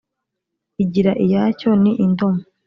igira iyacyo ni indomo,